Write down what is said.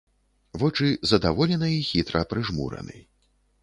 Вочы задаволена і хітра прыжмураны.